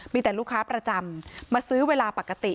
มีแต่ลูกค้าประจำมาซื้อเวลาปกติ